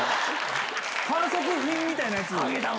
販促品みたいなやつ。